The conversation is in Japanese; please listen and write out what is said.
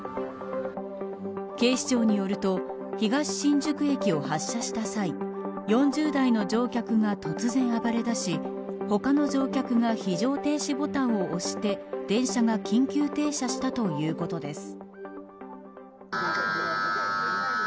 警視庁によると東新宿駅を発車した際４０代の乗客が突然暴れだし他の乗客が非常停止ボタンを押して電車が緊急停車したということです。